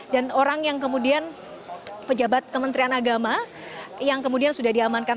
dan orang yang kemudian pejabat kementerian agama yang kemudian sudah diamankan